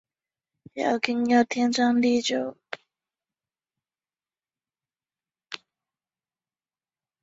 康氏宗祠的历史年代为清代。